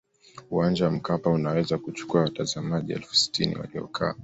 uwanja wa mkapa unaweza kuchukua watazamaji elfu sitini waliokaa